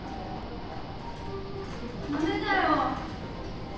ダメだよ。